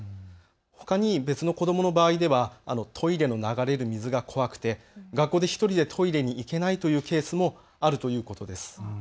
ほかに別の子どもの場合ではトイレの流れる水が怖くて学校で１人でトイレに行けないというケースもあるということです。